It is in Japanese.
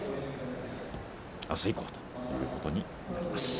あす以降ということになります。